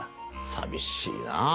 寂しいなぁ。